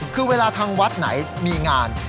คือเวลาทางวัดไหนมีงาน